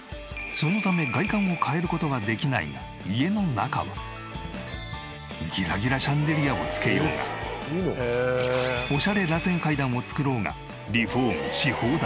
そのため外観を変える事はできないが家の中はギラギラシャンデリアを付けようがオシャレらせん階段を作ろうがリフォームし放題。